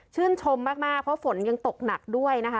ชมมากเพราะฝนยังตกหนักด้วยนะคะ